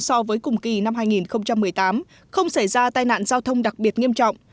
so với cùng kỳ năm hai nghìn một mươi tám không xảy ra tai nạn giao thông đặc biệt nghiêm trọng